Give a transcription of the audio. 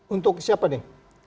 untuk siapa nih